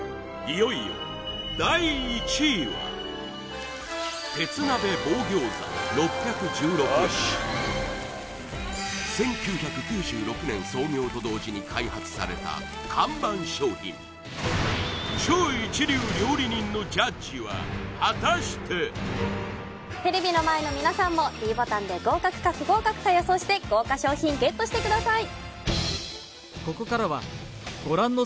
いよいよ第１位はされた看板商品果たしてテレビの前の皆さんもｄボタンで合格か不合格か予想して豪華賞品ＧＥＴしてください